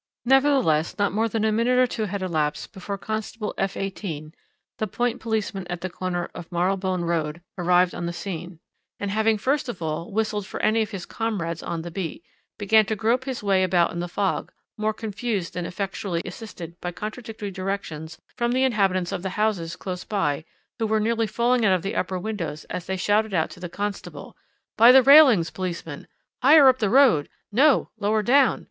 Nevertheless, not more than a minute or two had elapsed before Constable F 18, the point policeman at the corner of Marylebone Road, arrived on the scene, and, having first of all whistled for any of his comrades on the beat, began to grope his way about in the fog, more confused than effectually assisted by contradictory directions from the inhabitants of the houses close by, who were nearly falling out of the upper windows as they shouted out to the constable. "'By the railings, policeman.' "'Higher up the road.' "'No, lower down.'